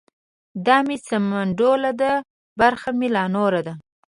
ـ دا مې سمنډوله ده برخه مې لا نوره ده.